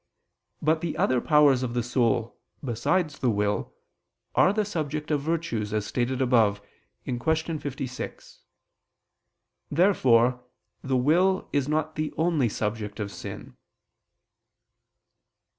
But the other powers of the soul, besides the will, are the subject of virtues, as stated above (Q. 56). Therefore the will is not the only subject of sin.